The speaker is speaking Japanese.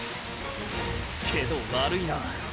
けど悪いな。